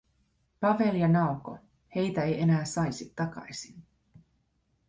Pavel ja Naoko… Heitä ei enää saisi takaisin.